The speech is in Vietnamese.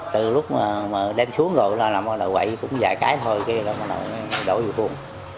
từ lúc mà đem xuống rồi nó quậy cũng vài cái thôi rồi nó đổ vô khuôn